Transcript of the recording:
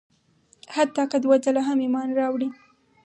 حتی که دوه ځله هم ایمان راوړي.